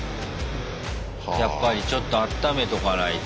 やっぱりちょっとあっためとかないと。